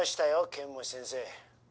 剣持先生。